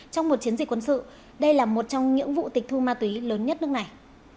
trong một chiến dịch quân sự đây là một trong những vụ tịch thu ma túy lớn nhất nước này